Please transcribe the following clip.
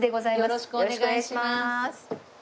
よろしくお願いします。